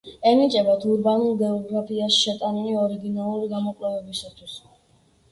ენიჭებათ ურბანულ გეოგრაფიაში შეტანილი ორიგინალური გამოკვლევებისათვის.